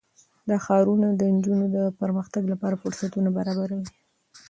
دا ښارونه د نجونو د پرمختګ لپاره فرصتونه برابروي.